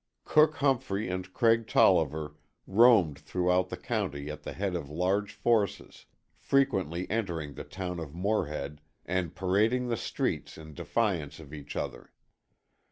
Cook Humphrey and Craig Tolliver roamed through the county at the head of large forces, frequently entering the town of Morehead and parading the streets in defiance of each other.